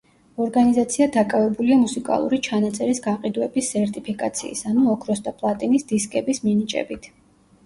ორგანიზაცია დაკავებულია მუსიკალური ჩანაწერის გაყიდვების სერტიფიკაციის, ანუ ოქროს და პლატინის დისკების, მინიჭებით.